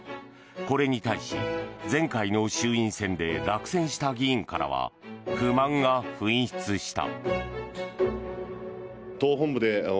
これに対し、前回の衆院選で落選した議員からは不満が噴出した。